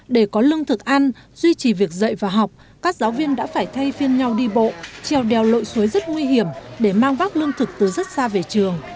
để có lương thực ăn duy trì việc dạy và học các giáo viên đã phải thay phiên nhau đi bộ trèo đèo lội suối rất nguy hiểm để mang vác lương thực từ rất xa về trường